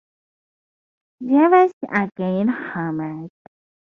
Devers again homered.